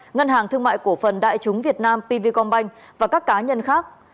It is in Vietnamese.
ngân hàng thương mại cổ phần đại chúng việt nam pv combin và các cá nhân khác